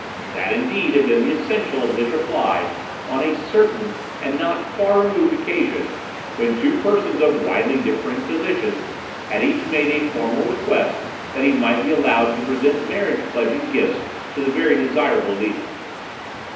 That, indeed, had been the essential of his reply on a certain and not far removed occasion, when two persons of widely differing positions had each made a formal request that he might be allowed to present marriage pledging gifts to the very desirable Lila.